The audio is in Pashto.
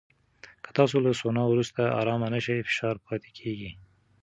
که تاسو له سونا وروسته ارام نه شئ، فشار پاتې کېږي.